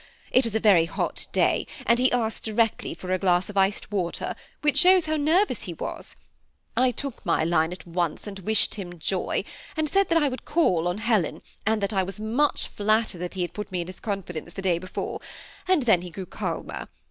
It was a very hot day, and he asked directly for a glass of iced water, which shows how nervous he was. I took my line at once, and wished him joy, and said that I would call on Helen, and that I was much flattered that he had put me in his confidence the day before ; and then he grew calmer.